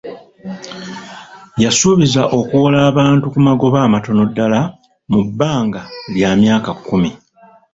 Yasuubizza okuwola abantu ku magoba amatono ddala mu bbanga lya myaka kumi.